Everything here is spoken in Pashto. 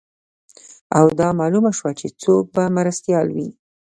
او دا معلومه شوه چې څوک به مرستیال وي